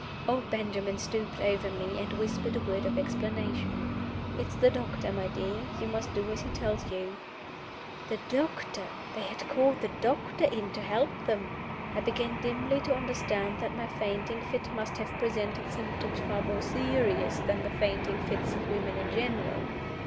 Old Benjamin stooped over me, and whispered a word of explanation. "It's the doctor, my dear. You must do as he tells you." The doctor! They had called the doctor in to help them! I began dimly to understand that my fainting fit must have presented symptoms far more serious than the fainting fits of women in general.